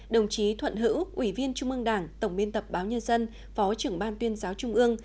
đồng chí thuận hữu ủy viên trung ương đảng tổng biên tập báo nhân dân phó trưởng ban tuyên giáo trung ương